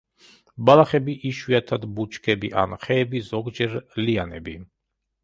ბალახები, იშვიათად ბუჩქები ან ხეები, ზოგჯერ ლიანები.